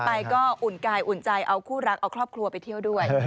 ไปก็อุ่นกายอุ่นใจเอาคู่รักเอาครอบครัวไปเที่ยวด้วย